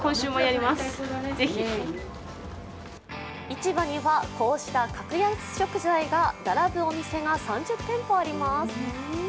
市場にはこうした格安食材が並ぶお店が３０店舗あります。